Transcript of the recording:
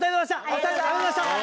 お二人ありがとうございました。